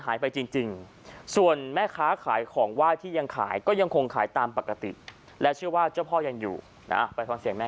ขายเครื่องเส้นไว้เราก็ยังรายรู้สึกยังไงล่ะ